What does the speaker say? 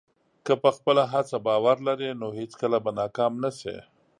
که په خپله هڅه باور لرې، نو هېڅکله به ناکام نه شې.